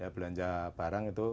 belanja barang itu